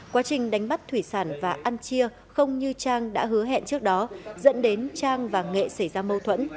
quá trình đánh bắt thủy sản và ăn chia không như trang đã hứa hẹn trước đó dẫn đến trang và nghệ xảy ra mâu thuẫn